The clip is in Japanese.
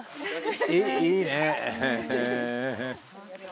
いいねえ。